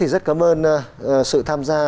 rất cảm ơn sự tham gia